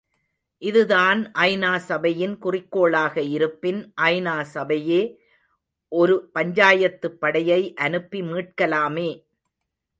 இதுதான் ஐ.நா. சபையின் குறிக்கோளாக இருப்பின் ஐ.நா சபையே ஒரு பஞ்சாயத்துப் படையை அனுப்பி மீட்கலாமே!